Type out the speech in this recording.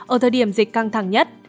ở thời điểm dịch căng thẳng nhất